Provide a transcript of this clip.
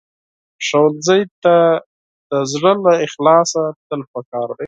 ښوونځی ته د زړه له اخلاصه تلل پکار دي